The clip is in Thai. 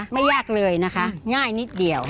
ไม่ยากเลยนะคะง่ายนิดเดียว